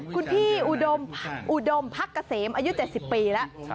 คุณพี่อุดมพักเกษมอายุ๗๐ปีแล้ว